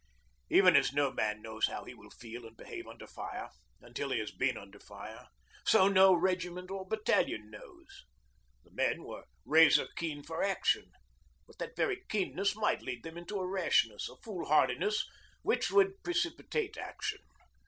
Even as no man knows how he will feel and behave under fire, until he has been under fire, so no regiment or battalion knows. The men were razor keen for action, but that very keenness might lead them into a rashness, a foolhardiness, which would precipitate action.